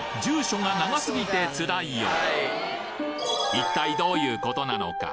一体どういう事なのか？